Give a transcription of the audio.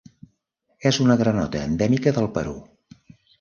És una granota endèmica del Perú.